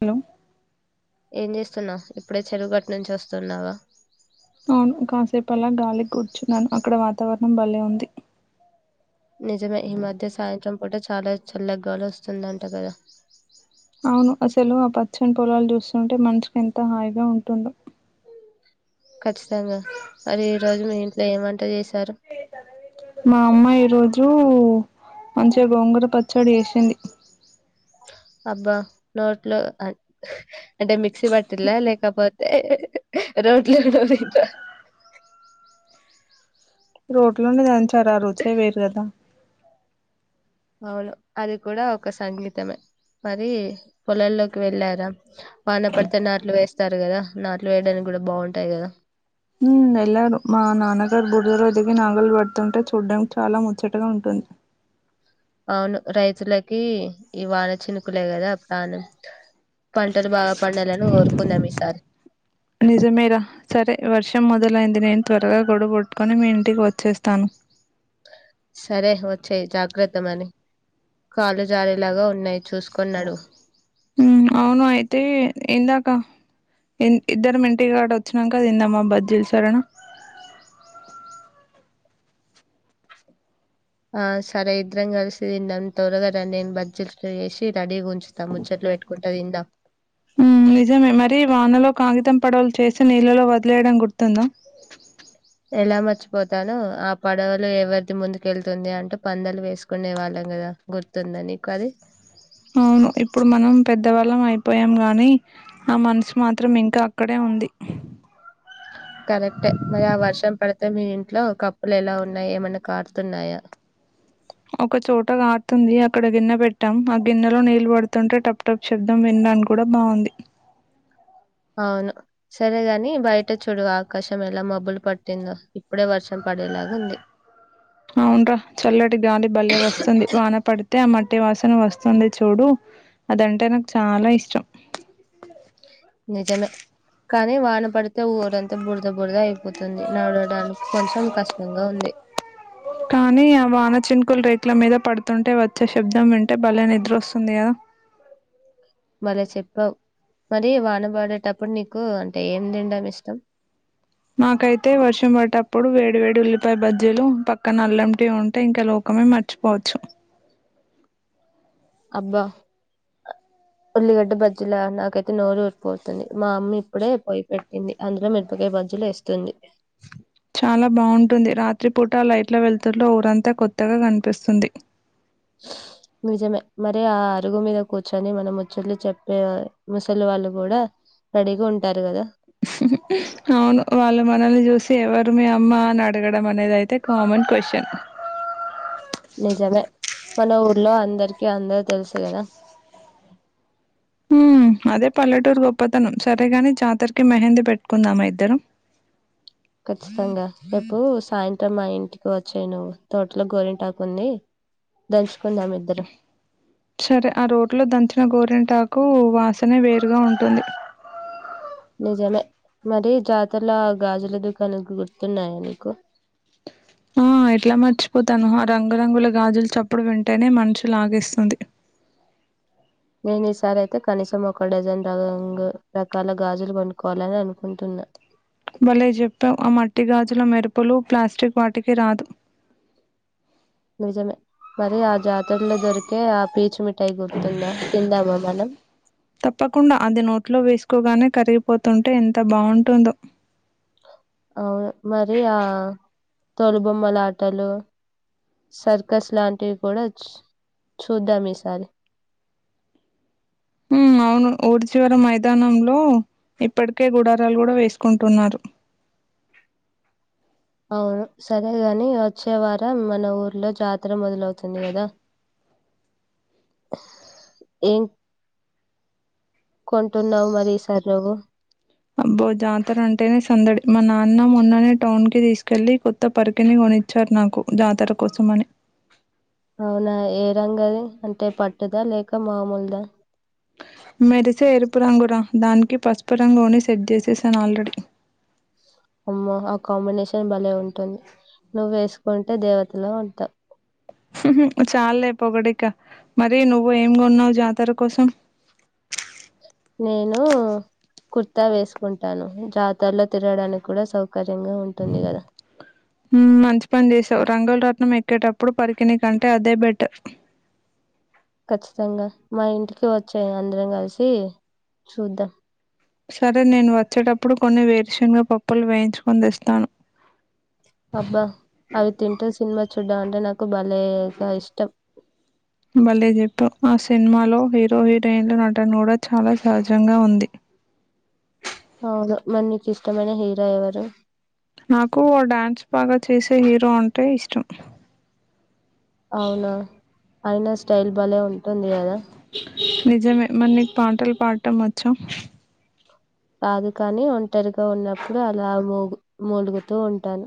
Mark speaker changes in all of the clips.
Speaker 1: Hello
Speaker 2: ఏం చేస్తున్నావ్ ఇప్పుడే చెరువుగట్టు నుంచి వస్తున్నావా
Speaker 1: అవును కాసేపల గాలిక్ కూర్చున్నాను అక్కడ వాతావరణం బలే ఉంది
Speaker 2: నిజమే ఈ మధ్య సాయంత్రం పూట చాలా చల్లగాలి వస్తుందంట కదా
Speaker 1: అవును అసలు ఆ పచ్చని పొలాలు చూస్తుంటే మనుసుకి ఎంత హాయిగా ఉంటుందో
Speaker 2: ఖచ్చితంగా మరి ఈ రోజు మీ ఇంట్లో ఎమ్ వంట చేశారు
Speaker 1: మా అమ్మ ఈరోజు మంచిగా గోంగూర పచ్చడి చేసింది
Speaker 2: అబ్బా నోట్లో అన్ అంటే మిక్సీ బత్తినలా లేకపోతే రోట్లో నూరిన్ర
Speaker 1: రొట్టె లో నే దంచారు ఆ రోజే వేరు కదా
Speaker 2: అవును అది కూడా ఒక సంగీతమే మరి పొలల్లోకి వెళ్ళారా వాన పడితే నాట్లు వేస్తారు కదా నాట్లు వేయడానికి కూడా బావుటాయి కదా
Speaker 1: ఉమ్ వెళ్ళారు మా నాన్న అందరు బూడిలో దిగి నాగలు పెట్టుడుతుంటే చుడానికి చాలా ముచ్చటగా ఉంటుంది
Speaker 2: అవును రైతులకి ఈ వాన చినుకులే కదా ప్రాణం పంటలు బాగా పండాలని కోరుకున్నం ఈ సారి
Speaker 1: నిజమేరా సరే వర్షం మొదలయిం నేను త్వరగా గొడుగు బట్టుకొని మీ ఇంటికి వచ్చేస్తాను
Speaker 2: సరే వచ్చేయ్ జాగ్రత్త మరి కాళ్ళు జారేలాగా ఉన్నాయి చూసుకొని నడువు
Speaker 1: ఉమ్ అవును అయితే ఇందగా ఇద్దరం ఇంటి కాడ వ చ్చినక్కా తిందాం ఆ బజ్జిలు సరేనా
Speaker 2: ఆ సరే ఇద్దరం కలిసి తిందాం తొరగరా నేను బజ్జిల్ ఫ్రై చేసి రెడీ ఉంచు
Speaker 1: ఉమ్ నిజమే మరి వానలో కాగితం పడవలు చేసి నీళ్ళలో వదిలేయడం గుర్తుందా
Speaker 2: ఎలా మర్చిపోతాను ఆ పడవలు ఎవరిది ముందుకెళ్తుంది అంటు పందాలు వేసుకునే వాళ్ళం కదా గుర్తు ఉందా నీకు అది
Speaker 1: అవును ఇప్పుడు మనం పె ద్దవాల్లం అయిపోయినం గాని ఆ మనసు మాత్రం ఇంకా అక్కడే ఉంది
Speaker 2: కరెక్ట్ మరి ఆ వర్షం పడితే మీ ఇంట్లో కప్పులు ఎలా ఉన్నాయి ఏమన్నా కార్ తున్నాయ
Speaker 1: ఒక చోట కారతుంది అక్కడ గిన్నె పెట్టాం ఆ గిన్నెలో నీళ్లు పడుతుంటే టప్ టప్ శబ్దం విన్నాం డం కూడా బావుంది
Speaker 2: అవును సరేగాని బయట చూడు ఆకాశం ఎలా మబ్బులు పట్టిందో ఇప్పుడే వర్షం పడేలాగా ఉంది
Speaker 1: అవునురా చల్లటి గాలి భలే వస్తుంది వాన పడి పడితే ఆ మట్టి వాసన వస్తుంది చూడు అదంటే నాకు చాలా ఇష్టం.
Speaker 2: నిజమే కానీ వాన పడుతు. పోతే ఊరంతా బురద బురద అయిపోతుంది నాడవడానికి కొంచం కష్టంగా ఉంది.
Speaker 1: కానీ ఆ వాన చినుకులు రై. పట్ల మీద పడుతుంటే వచ్చే శబ్దం వింటే భలే నిద్ర వస్తుంది కదా
Speaker 2: భలే చెప్పావు మరి వాన పాడేటప్పుడు నీకు అంటే ఏం తిన్డం ఇష్టం
Speaker 1: నాకైతే వర్షం పడప్పుడు వే వేడి వేడి ఉల్లిపాయ బాజ్జీలు పక్కన ఆల్లం టీ ఉంటే ఇంకా లోకమే మర్చిపోవచ్చు.
Speaker 2: అబ్బా ఉల్లిగడ్డ బజ్జిల నాకైతే నోరు ఊరిపోతుంది. మా అమ్మ ఇప్పుడే పొయి పెట్టింది అందులో మిరపకాయ బజ్జిలు వేస్తుంది.
Speaker 1: చాలా బాగుంటుంది రాత్రిపూట లైట్ల వెలుతుర్లో ఊరంతా కొత్తగా కనిపిస్తుంది.
Speaker 2: నిజమే మరి ఆ అరుగు మీద కూర్చొని మనం ముచ్చుట్లు చెప్పే ముసలి వాళ్ళు కూడా. రెడీగా ఉంటారు కదా.
Speaker 1: అవును వాళ్ళు మనల్ని చూసి. ఎవరు మీ అమ్మ అని అడగడం అనేది అయితే కామన్ క్వశ్చన్.
Speaker 2: నిజమే మన
Speaker 1: వాళ్ల
Speaker 2: ఊర్లో
Speaker 1: ఊరికి.
Speaker 2: అందరికి అందరు తెలుసు కదా
Speaker 1: ఉమ్ అది పల్లెటూ. టూరు గొప్పతనం సరేగాని జాతరకి మహేంది పెట్టుకుందామా ఇద్దరం.
Speaker 2: ఖచ్చితంగా రేపు సాయంత్రం మా ఇంటికి వచ్చాయి నువ్వు తోటలో గోరింటాకుంది.
Speaker 1: సరే ఆ రోడ్లో దంచిన గోరెంటాకు వాస. వాసనే వేరుగా ఉంటుంది.
Speaker 2: నిజమే మరి జాతరలో గాజుల దుకాణనకు గుర్తున్నాయా నీకు.
Speaker 1: ఆహ్ ఎట్లా మర్చిపోతాను. రంగురంగుల గాజులు చప్పుడు వింటేనే మనుస్సు లాగేస్తుంది.
Speaker 2: నేను ఈసారి అయితే కనీసం ఒక డజన్ రంగు రకాల
Speaker 1: అవును.
Speaker 2: గాజులు కొనుక్కోవాలని అనుకుంటున్నా
Speaker 1: భళ్లే చెప్పావ్ ఆ మట్టి గాజుల మెరుపులు ప్లాస్టిక్ వాటికి రాదు.
Speaker 2: నిజమే మరి ఆ జాతలో దొరికే ఆ పీచుమిఠాయి గుర్తుందా తిందామా మనం.
Speaker 1: తప్పకుండా అది నోట్లో. ఎక్కువగానే కరిగిపోతుంటే ఎంత బాగుంటుందో.
Speaker 2: అవును మరి ఆహ్ తొలుబొమ్మల ఆటలు. సర్కస్ లాంటివి. కొడోచ్ చూద్దాం ఈసారి.
Speaker 1: ఉమ్ అవును ఊరీ చివరం మా. విధానంలో ఇప్పటికే గుడారాలు కూడా వేసుకుంటున్నారు.
Speaker 2: అవును సరేగాని వచ్చే వారం మన ఊర్లో జాతర మొదలవుతు. తుంది కదా ఏం. కొంటున్నావు మరి ఈసారి నువ్వు
Speaker 1: అబ్బో జాతర అంటేనే సందడి. మా నాన్న మొన్ననే టౌన్ కి తీసుకెలి కొత్త పరికిని కొనిచ్చారు నాకు జాతర కోసం అని.
Speaker 2: అవునా ఏ రంగది అంటే పట్టుదా లేక మామూలుదా.
Speaker 1: మెరిసే ఎరుపురంగురా దానికి. పసుపురంగోని సెట్ చేసేసాను ఆల్రెడీ.
Speaker 2: అమ్మో ఆ కాంబినేషన్. భలే ఉంటుంది నువ్వు వేసుకుంటే దేవతలా ఉంటావు.
Speaker 1: చాలే పొగడిక మరి నువ్వు ఏం కొన్నావ్ జాతర కోసం.
Speaker 2: నేను కుర్తా వేసుకుంటాను జాతారలో తిరడానికి కూడా సౌకర్.
Speaker 1: ఉ మంచి పని చేసావ్ రంగుల్రాట్నం ఎక్కేటప్పుడు పరికినీ కంటే అదే బెటర్
Speaker 2: ఖచ్చితంగా మా ఇంటికి వచేయి అందరం కలిసి చూద్దాం
Speaker 1: సరే నేను వచ్చేటప్పుడు కొన్ని వేరుషన్గా పప్పులు వేయించుకొని తేస్తాను
Speaker 2: అబ్బా అవి తింటే సినిమా. చూడ్డం అంటే నాకు భలేగా ఇష్టం.
Speaker 1: బల్లే చెప్పావు ఆ సినిమాలో హీరో హీరోయిన్ల నటన కూడా చాలా సహజంగా ఉంది.
Speaker 2: అవును మరి నీకు ఇష్టమైన హీరో ఎవరు.
Speaker 1: నాకు ఓ డ్యాన్స్ బాగా చేసే హీరో అంటే ఇష్
Speaker 2: అవునా అయినా స్టైల్ బలే ఉం
Speaker 1: నిజమే మరి నీకు పాటలు పాడటం వచ్చ
Speaker 2: రాదు కాని ఒంటరిగా ఉన్నప్పుడు అలా ము ములుగుతూ ఉంటాను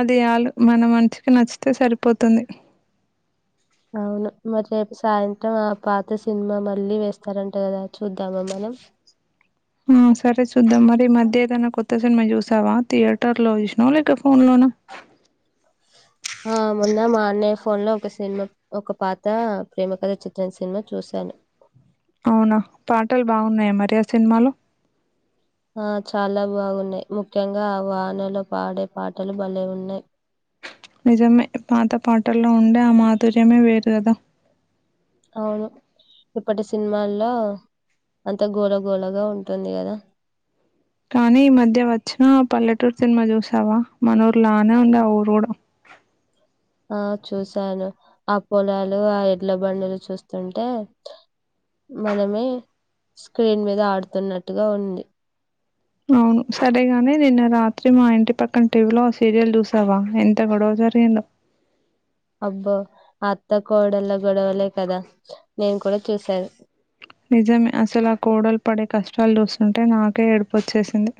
Speaker 1: అది ఆలు మన మనిషికి నచ్చితే సరిపోతుంది
Speaker 2: అవును మరి రేపు సాయంత్రం ఆ పాత సినిమా మళ్ళీ వేస్తారంట కదా చూద్దామ మన మ్
Speaker 1: ఆ సరే చూద్దాం మరి మద్య దన్న కొత్త సినిమా చూసావా థియేటర్ లో చూసినవ లేక ఫోన్ లోనా
Speaker 2: ఆ మొన్న మా అన్నయ్య ఫోన్ లో ఒక సినిమా ఒక పాత ప్రేమకథ చిత్రం సినిమా చూశాను
Speaker 1: అవునా పాటలు బాగున్నాయా మరి ఆ సినిమాలో
Speaker 2: ఆ చాలా బాగున్నాయి ముఖ్యంగా ఆ వానలో పాడే పాటలు భలే ఉన్నాయి
Speaker 1: నిజమే పాత పాటల్లో ఉండే ఆ మాధుర్యమే వేరు కదా
Speaker 2: అవును ఇప్పటి సినిమల్లో అంత గోళ గోళగా ఉంటుంది కదా
Speaker 1: కానీ ఈ మధ్య వచ్చిన పల్లెటూరు సినిమా చూసావా మన ఊర్ లానే ఉంది ఆ ఊరు కూడా
Speaker 2: ఆ చూశాను ఆ పొలాలు ఆ ఎడ్ల బండిలు చూస్తుంటే మనమే స్క్రీన్ మీద ఆడుతున్నట్టుగా ఉంది
Speaker 1: అవును సరేగానీ నిన్న రాత్రి మా ఇంటి పక్కన టీవీలో సీరియల్ చూసావా ఎంత గొడవ జరిగిందో
Speaker 2: అబ్బో అత్త కోడల్ల గొడవలే కదా నేను కూడా చూశాను
Speaker 1: నిజమే అసలు ఆ కోడల్ పడే కష్ ష్టాలు చూస్తుంటే నాకే ఏడుపుచ్చేసింది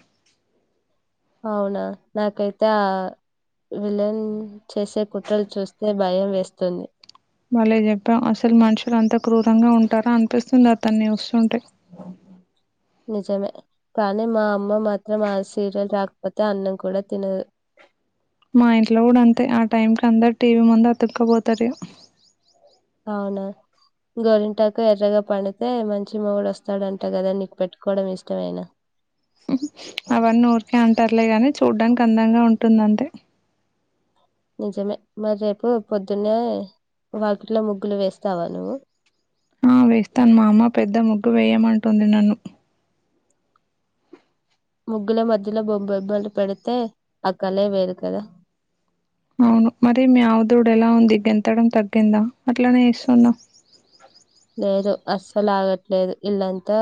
Speaker 2: అవునా నాకైతే ఆ విలన్ చేసే కుట్రలు చూస్తే భయం వేస్తుంది
Speaker 1: బలే చెప్పావు అసలు మనుషులు అంతా క్రూరంగా ఉంటారా అనిపిస్తుంది అతన్ని చూస్తుంటే
Speaker 2: నిజమే కానీ మా అమ్మ మాత్రం ఆ సీరియల్ రాకపోతే అన్నం కూడా తినదు
Speaker 1: మా ఇంట్లో కూడా అంతే ఆ టైం కి అందరు టీవీ ముందు అతుక్కపోతారు
Speaker 2: అవునా గోరింటాకు ఎర్రగా పండితే మంచి మొగుడు వస్తాడంట కదా నీకు పెట్టుకోడం ఇష్టమేన
Speaker 1: అవన్నీ ఊరికే అంటారులే గాని చూడ్డానికి అందంగా ఉంటుందంతే
Speaker 2: నిజమే మరి రేపు పొద్దున్నే వాకిట్లో ముగ్గులు వేస్తావా నువ్వు
Speaker 1: ఆ వేస్తాను మా అమ్మ పెద్ద ముగ్గు వేయమంటుంది నన్ను
Speaker 2: ముగ్గుల మధ్యలో బొ బొబ్బలు పెడితే ఆ కలే వేరు కదా
Speaker 1: అవును మరి మీ ఆవుదూడు ఎలా ఉంది గెంతడం తగ్గిందా అట్లనే చేస్తుంద
Speaker 2: లేదు అస్సలాగట్లేదు ఇల్లంతా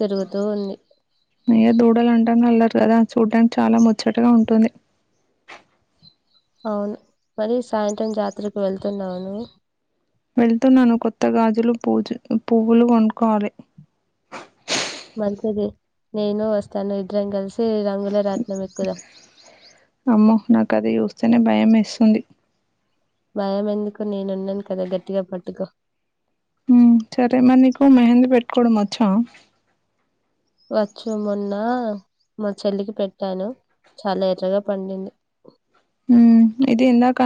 Speaker 2: తిరుగుతూ ఉంది
Speaker 1: నయ దూడలం ల్లరి కదా చూడ్డానికి చాలా ముచ్చటగా ఉంటుంది
Speaker 2: అవును మరి సాయంత్రం జాతరకి వెళ్తున్నావ నువు
Speaker 1: వెళ్తున్నాను కొత్త గాజులు పూజు పువ్వులు కొనుకోవాలి
Speaker 2: మంచిది నేను వస్తాను ఇద్దరం కలిసి రంగుల రాట్నము ఎక్కుదాం
Speaker 1: చాన భయం మేస్తుంది
Speaker 2: భయం ఎందుకు నేనున్నాను కదా గట్టిగా పట్టుకో
Speaker 1: ఉమ్ సరే మరి నీకు మెహందీ పెట్టుకోడం వచ్చా
Speaker 2: వచ్చు మొన్నా మా చెల్లికి పెట్టాను చాలా ఎర్రగా పండింది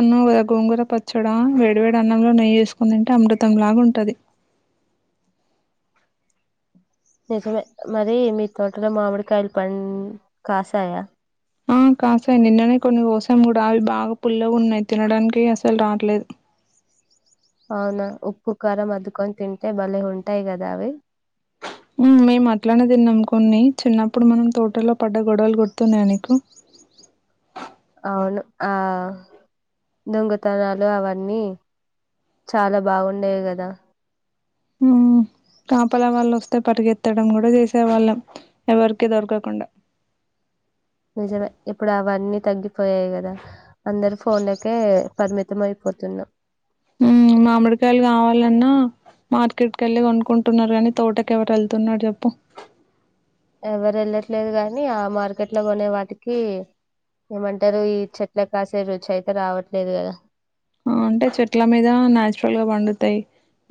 Speaker 1: ఉన్నావ్ గద గోంగుర పచ్చడ వేడివేడి అన్నంలో నెయ్యి ఎసుకోని దింటే అమృతం లాగుంటది
Speaker 2: నిజమే మరి మీ తోట్లో మామిడికాయలు పం కాసాయా
Speaker 1: ఆ కాసై నిన్ననే కొన్ని గోసం గూడా అవి బాగా పుల్లగున్నాయి తినడానికి అసలు రాట్లేదు
Speaker 2: అవునా ఉప్పు కారం అద్దుకొని తింటే బలే ఉంటాయి గదావి
Speaker 1: ఉమ్ మేము అట్లానేదిన్నం కొన్ని చిన్నప్పుడు మనం తోటల్లో పడ్డగొడవలు గుర్తున్నాయ నీకు
Speaker 2: అవును ఆ దొంగతనాలు అవన్నీ చాలా బాగుండేవి గదా
Speaker 1: కాపల వాళ్ళోస్తే పరిగెత్తడం గూడా చేసే వాళ్ళం ఎవరికీ దొరకకుండా
Speaker 2: నిజమే ఇప్పుడవన్నీ తగ్గిపోయాయి గదా అందరు ఫోన్లకే పరిమితం అయిపోతునం
Speaker 1: ఉమ్ మామిడికాయిలు కావాలన్నా మార్కెట్కి ఏళ్ళి గొనుకుంటున్నారు గానీ తోటకి ఎవర్ ఏళ్తున్నారు జేప్పు
Speaker 2: ఎవరు వెళ్ళట్లేదు గాని ఆ మార్కెట్ లో కొనే వాటికీ ఏమంటారు ఈ చెట్ల కాసే రుచి అయితే రావట్లేదు గదా
Speaker 1: అంటే చెట్ల మీద నాచురల్ గా పండుతాయి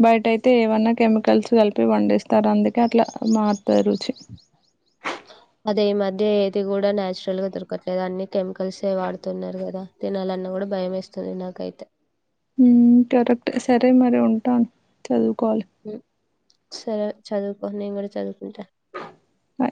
Speaker 1: బయటయితే ఏమన్నా కెమికల్స్ కలిపి పండేస్తారు అందుకే అట్లా మారుతై రుచి
Speaker 2: అదే ఈ మధ్య ఏది గూడా నాచురల్ గా దొరకట్లేదు అన్ని కెమికల్సే వాడుతున్నారు గదా తినాలన్ గూడా భయంమేస్తది నాకైతే
Speaker 1: ఉమ్ కరెక్ట్ సరే మరి ఉంటా చదువ్
Speaker 2: సరే చదువుకో నేను గూడా చదువ్కుంటాను
Speaker 1: బై